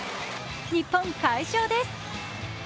日本、快勝です。